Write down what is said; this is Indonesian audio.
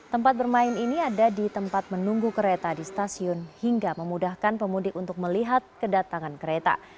tempat bermain ini ada di tempat menunggu kereta di stasiun hingga memudahkan pemudik untuk melihat kedatangan kereta